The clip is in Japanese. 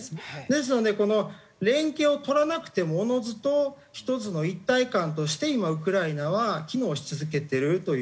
ですのでこの連携を取らなくてもおのずと１つの一体感として今ウクライナは機能し続けてるという風な理解でございます。